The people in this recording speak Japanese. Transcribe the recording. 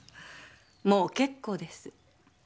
もう結構です。